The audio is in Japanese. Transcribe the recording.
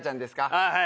はい。